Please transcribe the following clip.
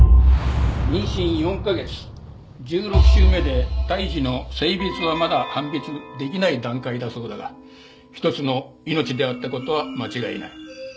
妊娠４カ月１６週目で胎児の性別はまだ判別できない段階だそうだが一つの命であった事は間違いない。